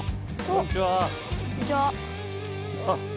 こんにちは。